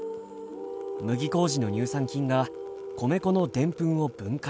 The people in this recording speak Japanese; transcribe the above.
麦麹の乳酸菌が米粉のでんぷんを分解。